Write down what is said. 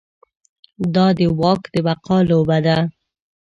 دا د واک د بقا لوبه ده.